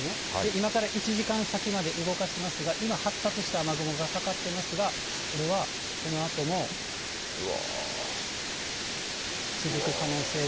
今から１時間先まで動かしますが、今、発達した雨雲がかかってますが、これはこのあとも続く可能性が。